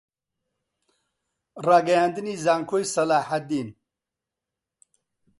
ڕاگەیاندنی زانکۆی سەلاحەددین